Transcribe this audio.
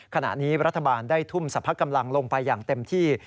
ขณะนี้รัฐบาลได้ทุ่มสรรพกำลังลงไปอย่างเต็มที่